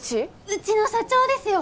うちの社長ですよ